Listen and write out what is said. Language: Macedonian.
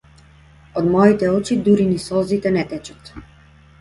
Од моите очи дури ни солзите не течат.